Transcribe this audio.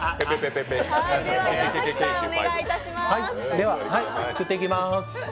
では作っていきます。